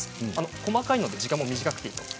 細かいので時間が短くていいんです。